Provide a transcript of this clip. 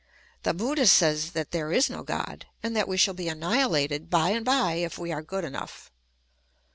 The Buddha says that there is no God, and that we shall be annihilated by and by if we are good enough.